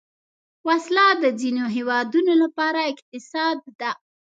وسله د ځینو هیوادونو لپاره اقتصاد ده